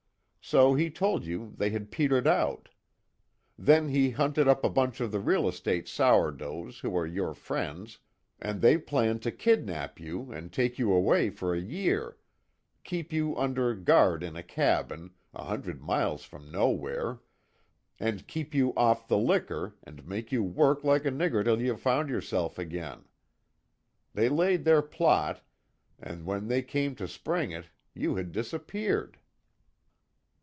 So he told you they had petered out. Then he hunted up a bunch of the real sourdoughs who are your friends, and they planned to kidnap you and take you away for a year keep you under guard in a cabin, a hundred miles from nowhere, and keep you off the liquor, and make you work like a nigger till you found yourself again. They laid their plot, and when they came to spring it, you had disappeared."